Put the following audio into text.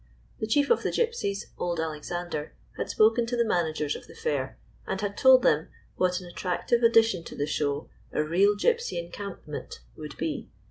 The chief of the Gypsies, old Alexander, had spoken to the managers of the fair, and had told them what an attractive ad dition to the show a " Real Gypsy Encamp ment" would be.